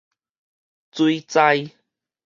水災